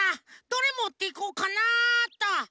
どれもっていこうかなっと。